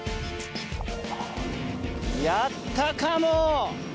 やったかも。